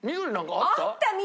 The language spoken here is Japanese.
あった緑。